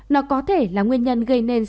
nó có thể là nguyên nhân gây nên